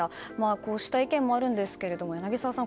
こうした意見もあるんですが柳澤さん